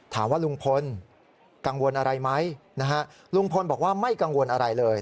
ถามว่าลุงพลกังวลอะไรไหมนะฮะลุงพลบอกว่าไม่กังวลอะไรเลย